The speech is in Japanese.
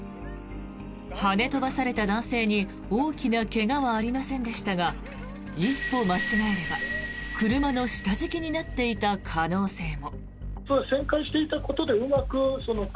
はね飛ばされた男性に大きな怪我はありませんでしたが一歩間違えれば車の下敷きになっていた可能性も。